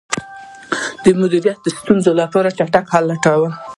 مدیریت د ستونزو لپاره چټک حل لټوي.